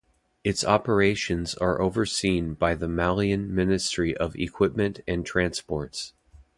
Its operations are overseen by the Malian Ministry of Equipment and Transports.